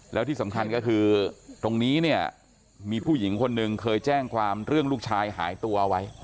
แล้วที่สำคัญก็คือตรงนี้เนี่ยมีผู้หญิงคนหนึ่งเคยแจ้งความเรื่องลูกชายหายตัวไว้